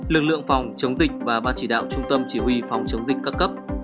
lực lượng phòng chống dịch và bác chỉ đạo trung tâm chỉ huy phòng chống dịch cấp cấp